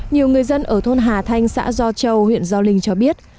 nhiều người dân ở thôn hà thanh xã gio châu huyện gio linh cho biết